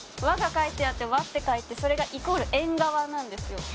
輪が描いてあって「わ」って書いてそれがイコール縁側なんですよ